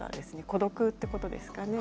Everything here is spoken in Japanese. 孤独ってことですかね。